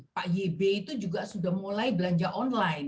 pak ybe itu juga sudah mulai belanja online